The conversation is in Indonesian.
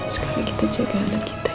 sekarang kita jaga anak kita